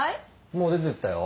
もう出てったよ。